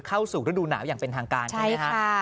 เข้าสู่ฤดูหนาวอย่างเป็นทางการใช่ไหมคะ